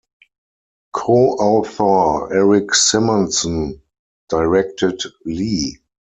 Co-author Eric Simonson directed Lee.